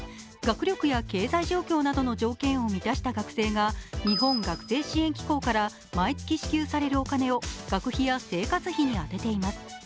学力や経済状況などの条件を満たした学生が日本学生支援機構から毎月支給されるお金を学費や生活費に充てています。